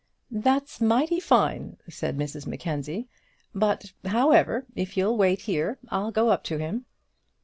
"That's mighty fine," said Mrs Mackenzie; "but, however, if you'll wait here, I'll go up to him."